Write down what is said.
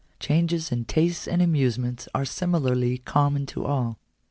Changes in tastes and amuse ments are similarly common to all.